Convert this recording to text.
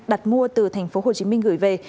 đặt mua từ thành phố hồ chí minh gửi về